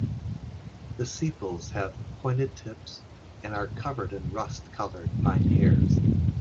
The sepals have pointed tips and are covered in rust colored fine hairs.